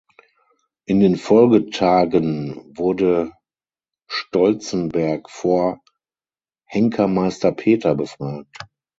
In den Folgetagen wurde Stolzenberg vor „Henker Meister Peter“ befragt.